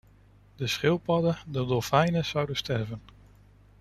De schildpadden, de dolfijnen zouden sterven!